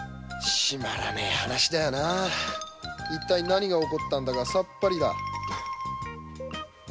しまらねぇ話だよな一体何が起こったのかさっぱりだ。